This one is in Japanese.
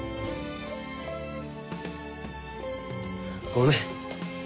ごめん。